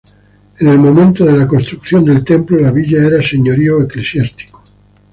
En el momento de la construcción del templo la villa era señorío eclesiástico.